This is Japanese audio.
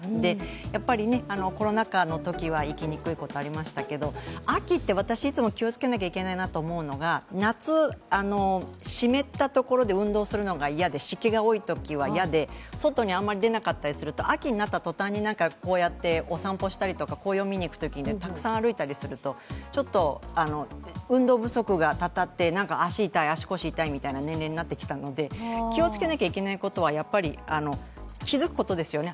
やっぱり、コロナ禍のときは行きにくいことありましたけど秋って、私いつも気をつけなきゃいけないと思うのは、夏、湿ったところで運動するのが嫌で、湿気が多いときは嫌で外に出なかったりすると、秋になった途端にこうやってお散歩したりとか紅葉見に行くのにたくさん歩いたりすると運動不足がたたって足腰痛いみたいな年齢になってきたので気をつけなければいけないのは、やっぱり、気付くことですよね